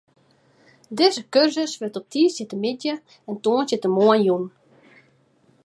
Dizze kursus wurdt op tiisdeitemiddei en tongersdeitemoarn jûn.